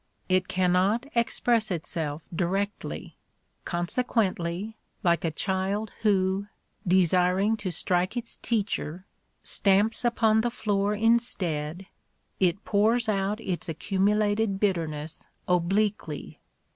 It cannot express itself directly; conse quently, like a child who, desiring to strike its teacher, stamps upon the floor instead, it pours out its accumu lated bitterness obliquely.